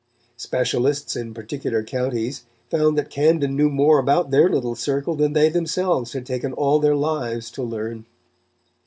Specialists in particular counties found that Camden knew more about their little circle than they themselves had taken all their lives to learn.